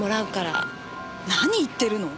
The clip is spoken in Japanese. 何言ってるの？